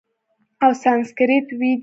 او سانسکریت ویی دی،